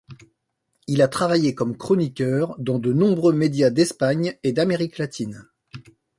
Il a travaillé comme chroniqueur dans de nombreux médias d'Espagne et d'Amérique Latine.